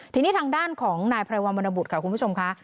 ทีนี้ทางด้านของนายไพรวันวรรณบุตรค่ะคุณผู้ชมค่ะ